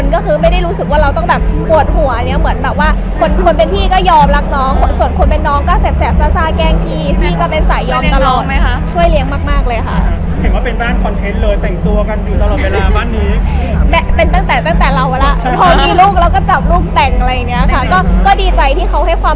ก็คือไม่ได้รู้สึกว่าเราต้องแบบปวดหัวเนี้ยเหมือนแบบว่าคนคนเป็นพี่ก็ยอมรักน้องคนส่วนคนเป็นน้องก็แสบซ่าซ่าแกล้งพี่พี่ก็เป็นสายยอมตลอดไหมคะช่วยเลี้ยงมากมากเลยค่ะเห็นว่าเป็นบ้านคอนเทนต์เลยแต่งตัวกันอยู่ตลอดเวลาบ้านนี้เป็นตั้งแต่ตั้งแต่เราแล้วพอมีลูกเราก็จับลูกแต่งอะไรอย่างเงี้ยค่ะก็ก็ดีใจที่เขาให้ความ